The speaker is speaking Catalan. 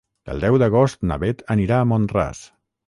El deu d'agost na Beth anirà a Mont-ras.